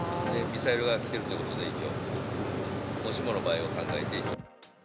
ミサイルが来ているということで、一応、もしもの場合を考えて。